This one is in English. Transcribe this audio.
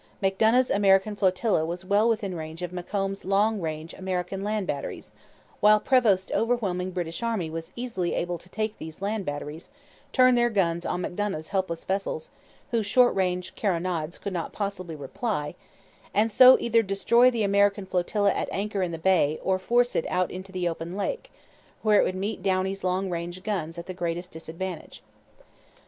Macdonough's American flotilla was well within range of Macomb's long range American land batteries; while Prevost's overwhelming British army was easily able to take these land batteries, turn their guns on Macdonough's helpless vessels whose short range carronades could not possibly reply and so either destroy the American flotilla at anchor in the bay or force it out into the open lake, where it would meet Downie's long range guns at the greatest disadvantage.